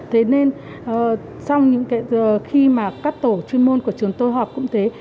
thế nên sau những cái khi mà các tổ chuyên môn của trường tôi họp cũng thế